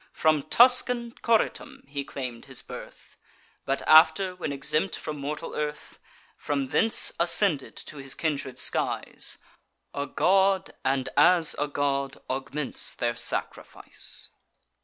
From Tuscan Coritum he claim'd his birth; But after, when exempt from mortal earth, From thence ascended to his kindred skies, A god, and, as a god, augments their sacrifice."